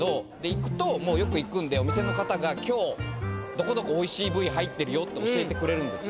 行くともうよく行くんでお店の方が「今日どこどこおいしい部位入ってるよ」って教えてくれるんです